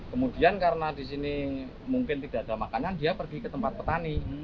kemudian karena di sini mungkin tidak ada makanan dia pergi ke tempat petani